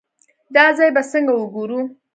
دا ځای به څنګه وګورو.